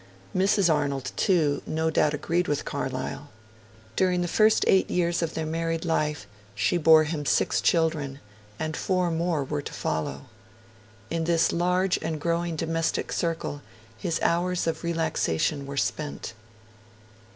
Mrs. Arnold, too, no doubt agreed with Carlyle. During the first eight years of their married life, she bore him six children; and four more were to follow. In this large and growing domestic circle his hours of relaxation were spent.